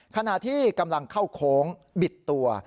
ขณะที่กำลังเข้าโค้งบิดตัว